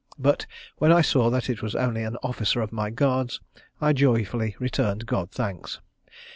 But, when I saw that it was only an officer of my guards, I joyfully returned God thanks.